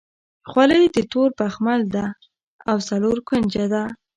خولۍ د تور بخمل ده او څلور کونجه ده.